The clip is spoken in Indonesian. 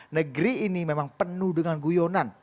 negeri ini memang penuh dengan guyonan